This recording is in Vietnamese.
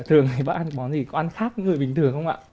thường thì bác ăn những món gì có ăn khác với người bình thường không ạ